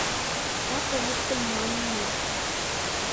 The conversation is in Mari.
Вате луктын налын мо?